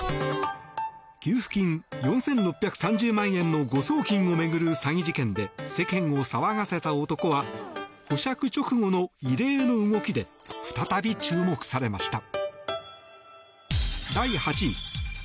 給付金４６３０万円の誤送金を巡る詐欺事件で世間を騒がせた男は保釈後の異例の動きで再び注目されました。